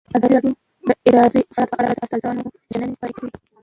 ازادي راډیو د اداري فساد په اړه د استادانو شننې خپرې کړي.